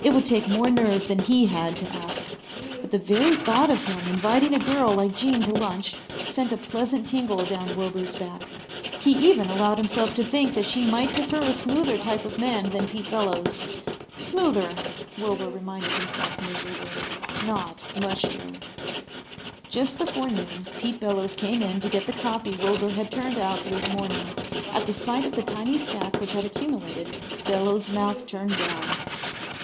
It would take more nerve than he had to ask. But the very thought of him inviting a girl like Jean to lunch sent a pleasant tingle down Wilbur's back. He even allowed himself to think that she might prefer a smoother type of man than Pete Bellows. Smoother, Wilbur reminded himself miserably, not mushier. Just before noon Pete Bellows came in to get the copy Wilbur had turned out through the morning. At the sight of the tiny stack which had accumulated Bellows' mouth turned down.